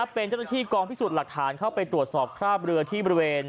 เป็นเจ้าหน้าที่กองพิสูจน์หลักฐานเข้าไปตรวจสอบคราบเรือที่บริเวณ